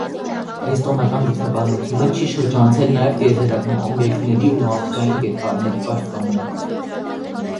Էստոնական դիցաբանությունը չի շրջանցել նաև տիեզերական օբյեկտների ու մարդկային կերպարների պաշտամունքը։